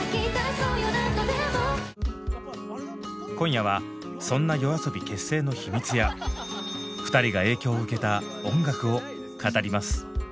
今夜はそんなＹＯＡＳＯＢＩ結成の秘密や２人が影響を受けた音楽を語ります。